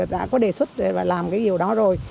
đã có đề xuất và làm cái điều đó rồi